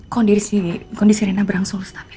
kondisi kondisi renda berang selalu stabil